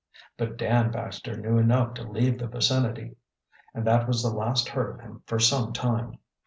But Dan Baxter knew enough to leave the vicinity, and that was the last heard of him for some time.